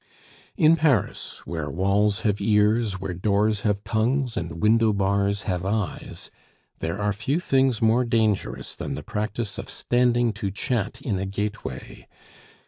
In Paris, where walls have ears, where doors have tongues, and window bars have eyes, there are few things more dangerous than the practice of standing to chat in a gateway.